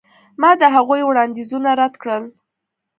ما د هغوی وړاندیزونه رد کړل.